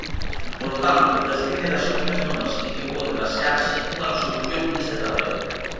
Polo tanto, prescinde das únicas normas en que pode basearse unha resolución neste terreo.